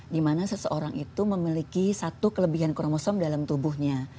dimana seseorang itu memiliki satu kelebihan kromosom dalam tubuhnya